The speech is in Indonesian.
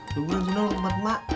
tunggu tunggu dulu tempat emak